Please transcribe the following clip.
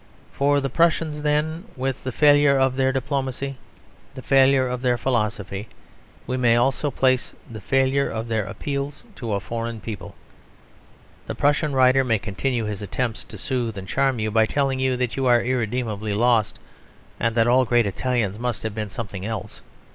For the Prussians, then, with the failure of their diplomacy, the failure of their philosophy, we may also place the failure of their appeals to a foreign people. The Prussian writer may continue his attempts to soothe and charm you by telling you that you are irredeemably lost, and that all great Italians must have been something else.